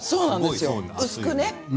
薄くね。